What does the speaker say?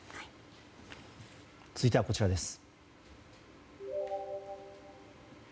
続いてはこちらです。